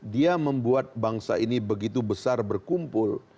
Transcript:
dia membuat bangsa ini begitu besar berkumpul